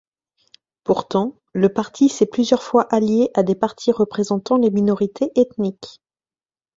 Pourtant, le parti s'est plusieurs fois allié à des partis représentant les minorités ethniques.